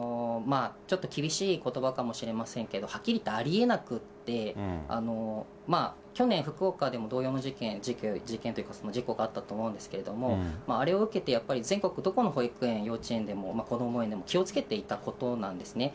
ちょっと厳しいことばかもしれませんけど、はっきり言ってありえなくって、去年、福岡でも同様の事件、事件というか、事故があったかと思うんですけど、あれを受けてやっぱり、全国どこの保育園、幼稚園でもこども園でも気をつけていたことなんですね。